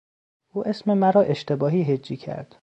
او اسم مرا اشتباهی هجی کرد.